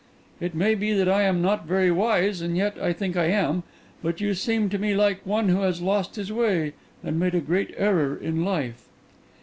It may be that I am not very wise—and yet I think I am—but you seem to me like one who has lost his way and made a great error in life.